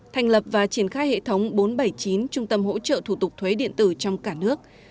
thành lập và triển khai hệ thống bốn trăm bảy mươi chín trung tâm hỗ trợ thủ tục thuế điện tử trong cả nước